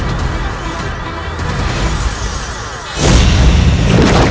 aku tidak boleh membukanya